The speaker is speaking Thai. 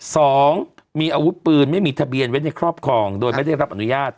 สองมีอาวุธปืนไม่มีทะเบียนไว้ในครอบครองโดยไม่ได้รับอนุญาต